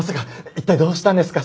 一体どうしたんですか？